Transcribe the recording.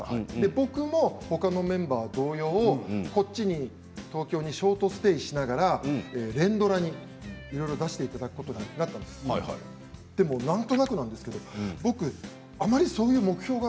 僕も、他のメンバー同様東京にショートステイしながら連ドラにいろいろ出させていただくことになってでもなんとなくなんですけど僕、あまりそういう目標が。